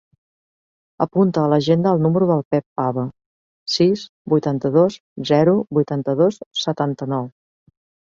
Apunta a l'agenda el número del Pep Haba: sis, vuitanta-dos, zero, vuitanta-dos, setanta-nou.